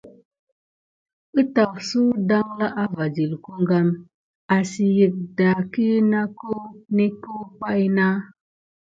Ətafsu ɗanla à va silko gam asiyik daki naku neku na pay.